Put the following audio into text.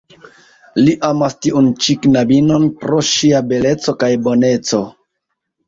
Li amas tiun ĉi knabinon pro ŝia beleco kaj boneco.